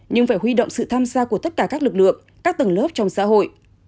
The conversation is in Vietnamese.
nhưng phải huy động sự tham gia của tất cả các lực lượng các tầng lớp trong xã hội